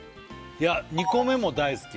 いや２個目も大好き